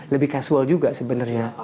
lebih casual juga sebenarnya